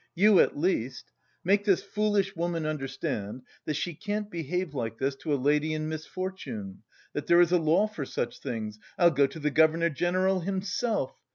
you at least! Make this foolish woman understand that she can't behave like this to a lady in misfortune... that there is a law for such things.... I'll go to the governor general himself....